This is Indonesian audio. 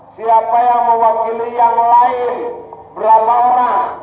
siapa yang mewakili yang lain berapa orang